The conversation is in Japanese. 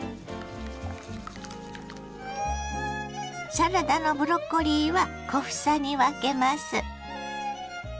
サラダのブロッコリーは小房に分けます。